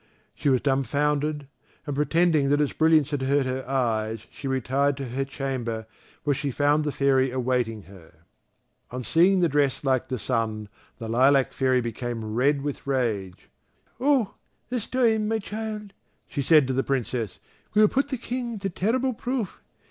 She was dumb founded, and pretending that its brilliance had hurt her eyes she retired to her chamber, where she found the Fairy awaiting her. On seeing the dress like the sun, the Lilac fairy became red with rage. "Oh! this time, my child," she said to the Princess, "we will put the King to terrible proof.